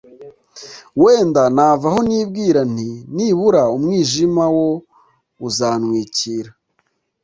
Wenda nava aho nibwira nti Nibura umwijima wo uzantwikira